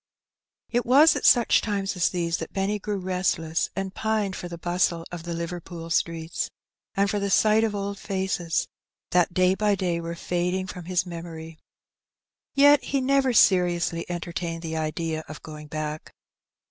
It was at such times as these that Benny grew restless, and pined for the bustle of Liverpool streets, and for the sight of old faces, that day by day were fading from his memory. Yet he never seriously entertained the idea of going back.